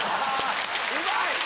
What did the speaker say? うまい！